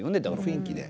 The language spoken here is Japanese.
雰囲気で。